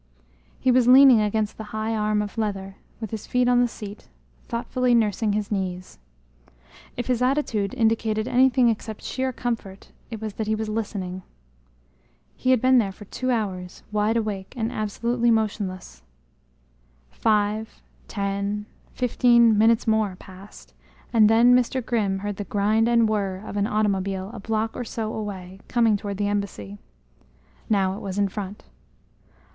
He was leaning against the high arm of leather, with his feet on the seat, thoughtfully nursing his knees. If his attitude indicated anything except sheer comfort, it was that he was listening. He had been there for two hours, wide awake, and absolutely motionless. Five, ten, fifteen minutes more passed, and then Mr. Grimm heard the grind and whir of an automobile a block or so away, coming toward the embassy. Now it was in front.